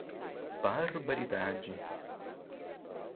Barbaridade